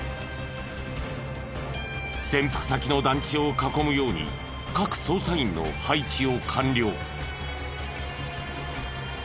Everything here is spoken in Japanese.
潜伏先の団地を囲むように各捜査員の配置を完了。